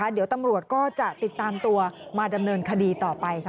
เดี๋ยวตำรวจก็จะติดตามตัวมาดำเนินคดีต่อไปค่ะ